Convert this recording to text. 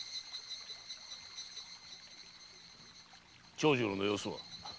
長次郎の様子は？